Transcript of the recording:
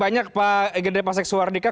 banyak pak gede pasek suardika